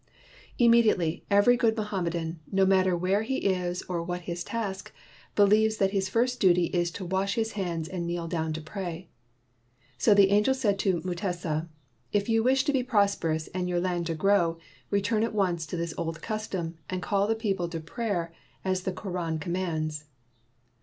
Immediately, every good Moham medan, no matter where he is or what his task, believes that his first duty is to wash his hands and kneel down to pray. So the angel said to Mutesa: "If you wish to be prosperous and your land to grow, return at once to this old custom and call the people to prayer as the Koran com mands.